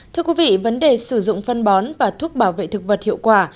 thưa quý vị vấn đề sử dụng phân bón và thuốc bảo vệ thực vật hiệu quả